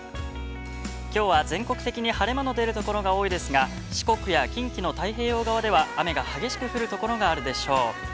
きょうは全国的に晴れ間の出るところが多いですが、四国や近畿の太平洋側では雨が激しく降るところがあるでしょう。